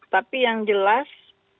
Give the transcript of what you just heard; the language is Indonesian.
tapi yang jelas